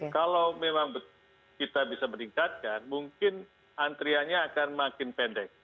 kalau memang kita bisa meningkatkan mungkin antriannya akan makin pendek